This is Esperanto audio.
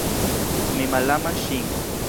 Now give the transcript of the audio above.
Mi malamas ŝin.